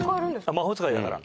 「魔法使いだから」